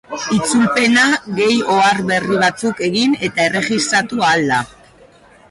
Itzulpena gehi ohar berri batzuk egin eta erregistratu ahal da.